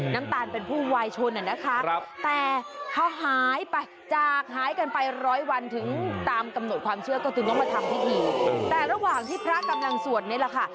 น้ำตาลเป็นผู้วายชนอ่ะนะคะแต่พอหายไปจากหายกันไปร้อยวันถึงตามกำหนดความเชื่อก็จึงต้องมาทำพิธีแต่ระหว่างที่พระกำลังสวดนี่แหละค่ะ